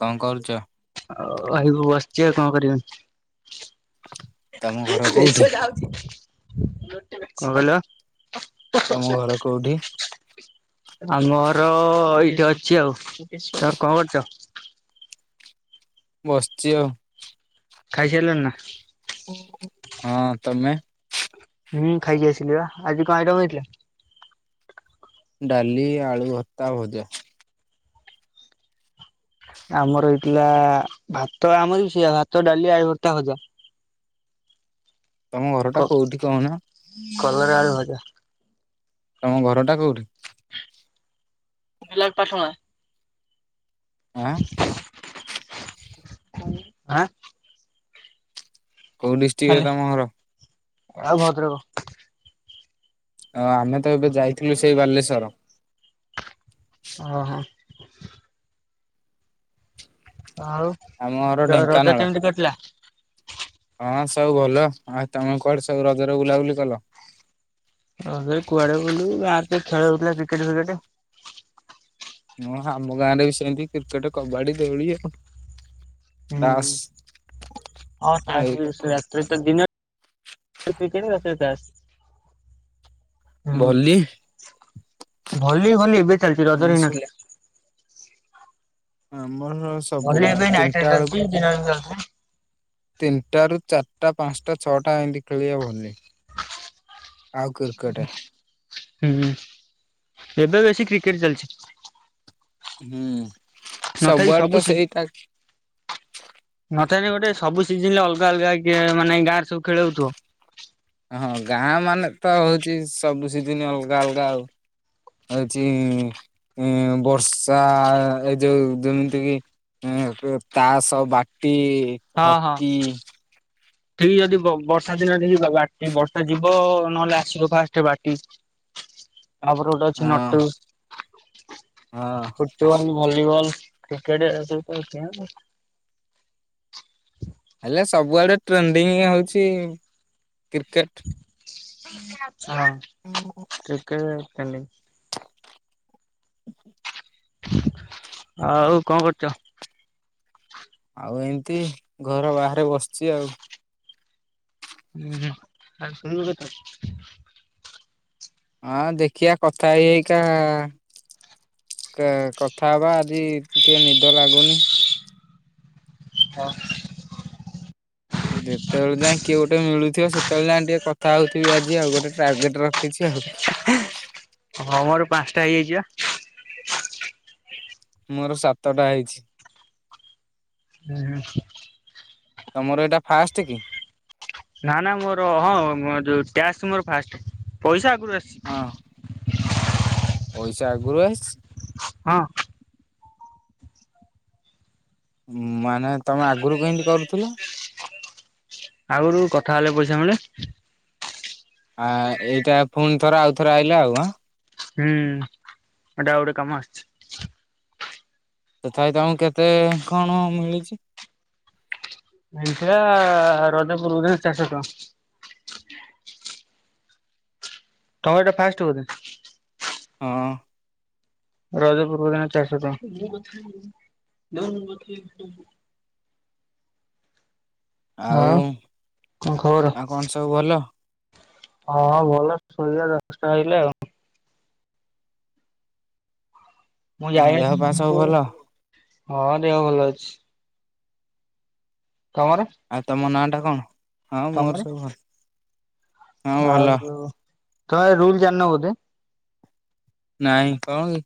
କଣ କରୁଚ? ଆଉ ଭାଇ ମୁ ବସିଚି ଆଉ କଣ କରିମି। ତମ ଘର କୋଉଠି? କଣ କହିଲ? ତମ ଘର କୋଉଠି? ଆମ ଘର ଏଇଠି ଅଛି ଆଉ ତୋର କଣ କରୁଚ? ବସିଚି ଆଉ। ଖାଇସାରିଲଣିନା? ହଁ ତମେ। ହୁଁ ଖାଇକି ଆସିଲିବା ଆଜି କଣ ଆଇଟମ୍ ହେଇଥିଲା। ଡ଼ାଲି ଆଳୁ ଭର୍ତ୍ତା ଭଜା। ଆମର ହେଇଥିଲା ଭାତ ଆମରବି ସେଇଆ ଭାତ ଡ଼ାଲି ଆଳୁ ଭର୍ତ୍ତା ଭଜା। ତମ କ ଘରଟା କୋଉଠି କହୁନ? କଲରା ଆଳୁ ଭଜା। ତମ ଘରଟା କୋଉଠି? [unintelligible] ଆଁ। ଆଁ। କଉ ଡିଷ୍ଟିକ୍ ରେ ହାଲୋ ତମ ଘର? ଆଉ ଭଦ୍ରକ। ଆ ଆମେତ ଏବେ ଯାଇଥିଲୁ ସେଇ ବାଲେଶ୍ଵର। ଓହୋ। ଆଉ ଆମ ଘର ର ରଜ ଢେଙ୍କାନାଳ। କେମିତି କଟିଲା? ହଁ ସବୁ ଭଲ ଆଉ ତମେ କୁଆଡ଼େ ସବୁ ରଜରେ ବୁଲାବୁଲି କଲ? ରଜରେ କୁଆଡ଼େ ବୁଲିବୁ ଗାଁରେତ ଖେଳ ହଉଥିଲା କ୍ରିକେଟ୍ ଫ୍ରିକେଟ୍। ହଁ ଆମ ଗାଁରେବି ସେମିତି କ୍ରିକେଟ୍ କବାଡି ଦୋଳି ଆଉ। ହୁଁ [unintelligible] ଏଇ ତୋରତ ଦିନରେ କ୍ରିକେଟ୍ ଆଉ ରାତିରେ ତାସ୍। ଭଲି ହୁଁ ଭଲି ଭଲି ଏବେ ଚାଲିଚି ରଜରେ ଏମିତି ସବୁ ହେଇନଥିଲା। ଆମର ଭଲି ସବୁବେଳେ ଏବେ ନାଇଟ୍ ରେ ତିନିଟା ଚାଲିଚି ଦିନରେବି ଚାଲୁଥିଲା। ତିନିଟାରୁ ଚାରିଟା ପାଞ୍ଚଟା ଛଅଟା ଏମିତି ଖେଳିବା ଭଲି ଆଉ କ୍ରି କେଟ୍। ହୁଁ ଏବେ ବେଶୀ କ୍ରିକେଟ୍ ଚାଲିଚି। ହୁଁ ସବୁଆଡ଼େତ ସେଇଟା ନଥାଏନା ଗୋଟେ ସବୁ ସିଜିନ୍ ରେ ଅଲଗା ଅଲଗା କିଏ ମାନେ ଗାଁରେ ସବୁ ଖେଳଉଥିବ। ହଁ ଗାଁ ମାନେ ତ ହଉଛି ସବୁ ସିଜିନ୍ ଅଲଗା ଅଲଗା ଆଉ। ହଉଛି ବର୍ଷା ଏଇ ଯୋଉ ଯେମିତି କି? ଉଁ ତାଆସ, ବାଟି, ହକି ଠିକ୍ ଯଦି ବ ବର୍ଷା ଦିନରେ ଯ ବାଟି ବର୍ଷା ଯିବ ନହେଲେ ଆସିବ ଫାଷ୍ଟ ବାଟି। ତାପରେ ଗୋଟେ ଅଛି ହଁ ନଟୁ। ହଁ ଫୁଟବଲ୍ ଭଲିବଲ୍ କ୍ରିକେଟ୍ ଏରା ସବୁ ତ ଅଛି ଆଁ ହେଲେ ସବୁଆଡେ ଟ୍ରେଣ୍ଡିଙ୍ଗ୍ ଆଉଚି କ୍ରିକେଟ୍। ହଁ କ୍ରିକେଟ୍ [unintelligible] [unintelligible] ଆଉ କଅଁ କରୁଚ? ଆଉ ଏମିତି ଘର ବାହାରେ ବସିଛି ଆଉ। ହୁଁ ହୁଁ ଆଉ ଶୋଇବୁ କେତେ ବେଳେ? ହଁ ଦେଖିଆ କଥା ହେଇ ହେଇକା କଥା ହବା ଆଜି ଟିକେ ନିଦ ଲାଗୁନି। ହଁ। ଯେତେବେଳେ ଯାଏ କିଏ ଗୋଟେ ମିଳୁଥିବ ସେତେବେଳେ ଯାଏ ଟିକେ କଥା ହଉଥିବି ଆଜି ଆଉ ଗୋଟେ ଟାର୍ଗେଟ ରଖିଛ ଆଉ। ହଁ ମୋର ପାଞ୍ଚଟା ହେଇଯାଇଛି ବା। ମୋର ସାତଟା ହେଇଛି। ଏଇଖିଣା ଶୋଉଛୁ। ତମର ଏଇଟା ଫାଷ୍ଟ କି? ନା ନା ମୋର ହଁ ଯୋଉ ଟ୍ୟାକ୍ସ ମୋର ଫାଷ୍ଟ ପଇସା ଆଗରୁ ଆସିଛି। ହଁ। ପଇସା ଆଗରୁ ଆସିଚି। ହଁ। ମାନେ ତମେ ଆଗରୁ କେମତି କରୁଥିଲ। ଆଗୁରୁ କଥା ହେଲେ ପଇସା ମିଳେ। ଆ ଏଇଟା ପୁଣି ଥରେ ଆଉଥରେ ଆଇଲା ଆଉ ଆଁ। ହୁଁ ଏଟା ଗୋଟେ କାମ ଆସିଛି। ତଥାପି ତମକୁ କେତେ କଣ ମିଳିଚି। ହେଇରା ରଜ ପୂର୍ବରୁ ଚାରିଶହ ଟଙ୍କା। ତମର ଏଟା ଫାଷ୍ଟ ବୋଧେ। ହଁ। ରଜ ପୂର୍ବଦିନ ଚାରିସହ ଟଙ୍କା। ଆଉ କଅଁ ଖବର। ଆଉ କଣ ସବୁ ଭଲ? ହଁ ଭଲ ଶୋଇବା ଦଶଟା ବାଜିଲା ଆଉ। ଦେହ ପା ସବୁ ଭଲ [unintelligible] ହଁ ଦେହ ଭଲ ଅଛି। ତମର। ଆଉ ତମ ନାଁ ଟା କଣ ହଁ ମୋର ତମର ସୁଭ। ଆଉ ତମେ ଏ ରୁଲ ଜାଣିନ ବୋଧେ। ନାଇଁ କଣ କି।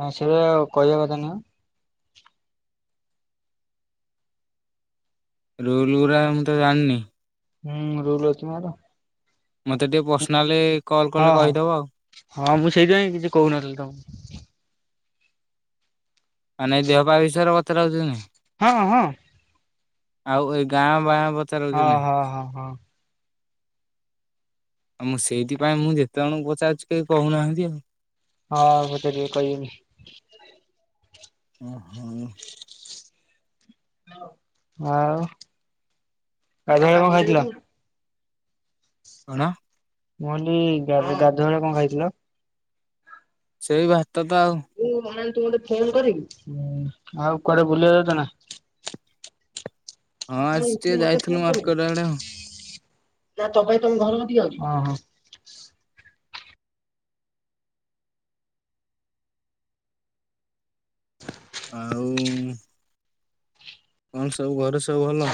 ହଁ ସେଇଆ କହିବା କଥା ନୁହଁ। ରୁଲଗୁରା ମୁଁ ତ ଜାଣିନି। ହୁଁ ରୁଲ ଅଛିନା ଏରା। ମତେ ଟିକେ ପର୍ସନାଲ କଲ୍ ହଁ କଲେ ହଁ। କହିଦେବ ଆଉ। ହଁ ମୁଁ ସେଇଥିପାଇଁ କିଛି କହୁନଥିଲି ତମକୁ। ମାନେ ଏ ଦେହ ପା ବିଷୟରେ ପଚରା ପୁଚୁରି ନାହିଁ। ହଁ ହଁ। ଆଉ ଏଇ ଗାଁ ବାଁ ବ ହଁ ହଁ ହଁ ହଁ। ମୁଁ ସେଇଥିପାଇଁ ମୁଁ ଯେତେ ଜଣଙ୍କୁ ପଚାରୁଚି କେହି କହୁନାହାନ୍ତି ଆଉ। ହଁ ଆଉ ପଚାରିବେ କହିବେନି। ଓହୋ। [inaudible] ଆଉ ଗାଧୁଆ ବେଳେ କଣ ଖାଇଥିଲ? କଣ? ମୁଁ କହଲି ଗା ଗାଧୁଆବେଳେ କଣ ଖାଇଥିଲ? ସେଇ ଭାତ ତ ଆଉ। ଆଉ କୁଆଡେ ବୁଲିବାକୁ ଯାଉଚ ନା? ହଁ ଆଜି ଟିକେ ଯାଇଥିଲୁ ମାର୍କେଟ ଆଡେ ଆଉ। ଅ ହ। ଆଉ। ହୁଁ। କଣ ସବୁ ଘରେ ସବୁ ଭଲ।